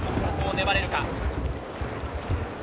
粘れるか？